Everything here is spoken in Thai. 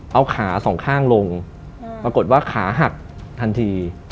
เอาขาสองข้างลงปรากฏว่าขาหักทันที